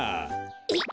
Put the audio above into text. えっ！